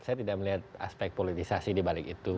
saya tidak melihat aspek politisasi dibalik itu